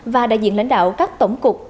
và đại diện lãnh đạo các tổng cục